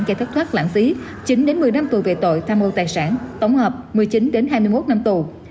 gây thất thoát lãng phí chín một mươi năm tù về tội tham mô tài sản tổng hợp một mươi chín hai mươi một năm tù